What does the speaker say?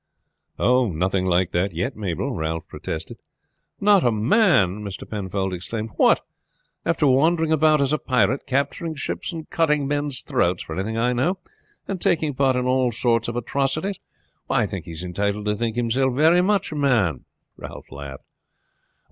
"Nothing like that yet, Mabel," Ralph protested. "Not a man!" Mr. Penfold exclaimed. "What! after wandering about as a pirate, capturing ships, and cutting men's throats for anything I know, and taking part in all sorts of atrocities? I think he's entitled to think himself very much a man." Ralph laughed.